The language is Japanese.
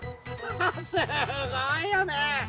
すごいよね！